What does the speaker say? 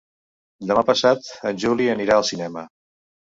Demà passat en Juli anirà al cinema.